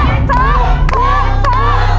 ผิดครับครับลูก